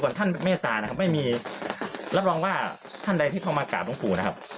ส่วนที่มองเห็นนะครับคือกลับบ้านด้วยความแม่ตะของหลวงปู่นะครับ